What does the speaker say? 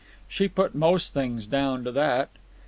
She put most things down to that.